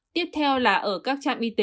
tiếp theo là ở các trạm y tế